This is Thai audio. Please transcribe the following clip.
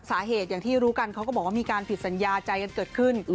สาเหตุอย่างที่รู้กันเขาก็บอกว่ามีการผิดสัญญาใจกันเกิดขึ้น